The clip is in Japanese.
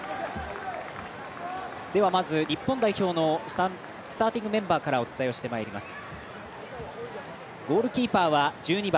まず日本代表のスターティングメンバーからお伝えしてまいります。